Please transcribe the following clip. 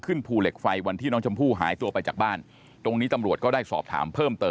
ภูเหล็กไฟวันที่น้องชมพู่หายตัวไปจากบ้านตรงนี้ตำรวจก็ได้สอบถามเพิ่มเติม